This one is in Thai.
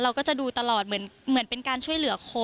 ก็จะดูตลอดเหมือนเป็นการช่วยเหลือคน